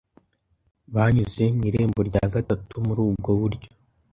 Banyuze mu irembo rya gatatu muri ubwo buryo